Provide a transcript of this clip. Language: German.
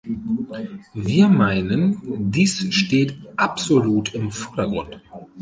Wir meinen, dies steht absolut im Vordergrund.